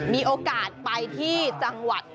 เป็นแลนด์มาร์คใหม่ด้วย